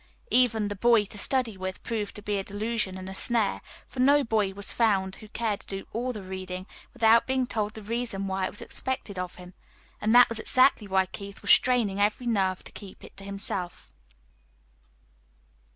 Even the "boy to study with" proved to be a delusion and a snare, for no boy was found who cared to do "all the reading," without being told the reason why it was expected of him and that was exactly what Keith was straining every nerve to keep to himself.